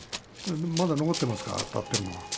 まだ残ってますからね。